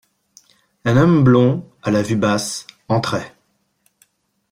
Un homme blond, à la vue basse, entrait.